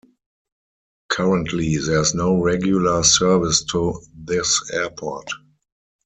Currently there is no regular service to this airport.